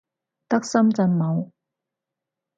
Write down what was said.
得深圳冇